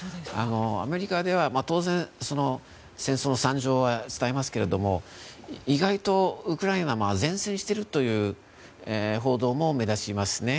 アメリカでは当然戦争の惨状は伝えますけれども意外とウクライナが善戦しているという報道も目立ちますね。